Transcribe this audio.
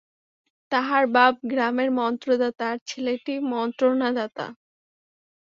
তাহার বাপ গ্রামের মন্ত্রদাতা আর ছেলেটি মন্ত্রণাদাতা।